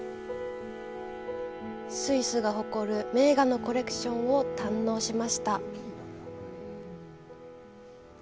スイスが誇る名画のコレクションを堪能しました。